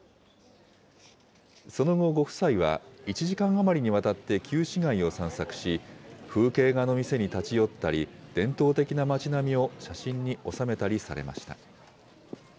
その後、ご夫妻は１時間余りにわたって旧市街を散策し、風景画の店に立ち寄ったり、伝統的な街並みを写真に収めたりされました。